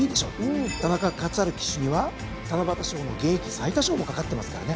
田中勝春騎手には七夕賞の現役最多賞も懸かってますからね。